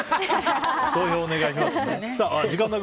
投票お願いします。